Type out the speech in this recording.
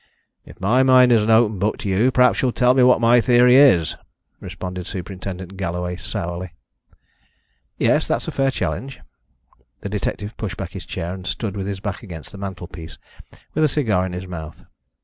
"If my mind is an open book to you perhaps you'll tell me what my theory is," responded Superintendent Galloway, sourly. "Yes; that's a fair challenge." The detective pushed back his chair, and stood with his back against the mantelpiece, with a cigar in his mouth.